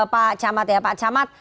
pak camat ya pak camat